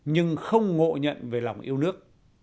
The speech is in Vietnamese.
nhưng không ngộ nhận về lòng yêu nước